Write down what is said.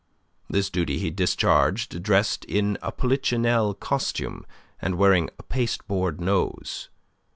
This duty he discharged dressed in a Polichinelle costume, and wearing a pasteboard nose.